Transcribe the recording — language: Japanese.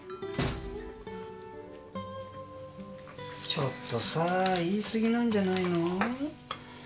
ちょっとさぁ言いすぎなんじゃないの？